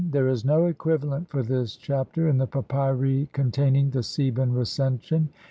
There is no equivalent for this Chapter in the papyri con taining the Theban Recension.